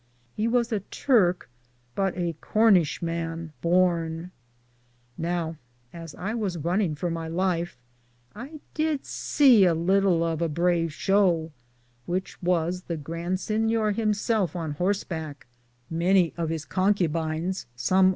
He was a Turke, but a Cornishe man borne. Now, as I was runinge for my life, I did se a litle of a brave show, which was the Grand Sinyor him selfe on horsbacke, many of his conquebines, 8o DALLAM'S TRAVELS.